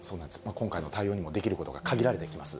今回の対応にもできることが限られてきます。